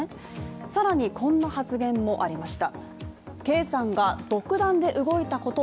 更に、こんな発言もありました。